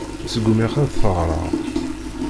Sgumiɣ ad t-rreɣ.